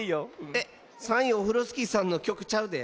えっ３いオフロスキーさんのきょくちゃうで。